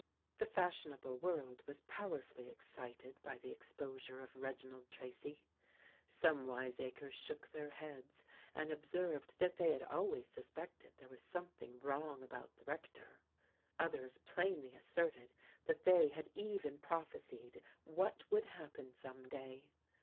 The fashionable world was powerfully excited by the exposure of Reginald Tracy. Some wiseacres shook their heads, and observed that they had always suspected there was something wrong about the rector; others plainly asserted that they had even prophesied what would happen some day.